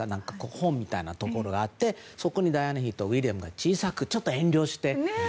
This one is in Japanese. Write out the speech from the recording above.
本みたいなところがあってそこにダイアナ妃とウィリアムが小さく、ちょっと遠慮して。